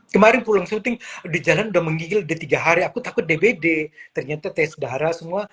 kemarin pulang syuting di jalan udah menggigil di tiga hari aku takut dbd ternyata tes darah semua